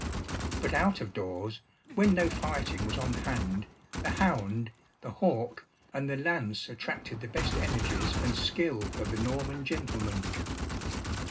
But out of doors, when no fighting was on hand, the hound, the hawk, and the lance attracted the best energies and skill of the Norman gentleman.